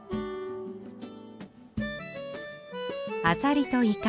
アサリとイカ。